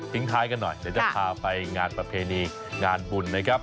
ท้ายกันหน่อยเดี๋ยวจะพาไปงานประเพณีงานบุญนะครับ